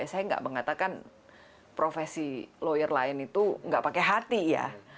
saya nggak mengatakan profesi lawyer lain itu nggak pakai hati ya